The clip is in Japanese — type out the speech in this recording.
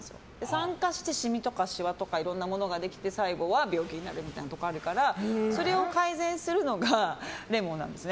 酸化してシミとか、しわとかいろいろなものができて最後は病気になるみたいなところがあるからそれを改善するのがレモンなんです。